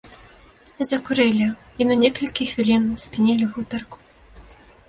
Закурылі і на некалькі хвілін спынілі гутарку.